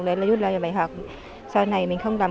đấy là rút lại rồi phải học sau này mình không làm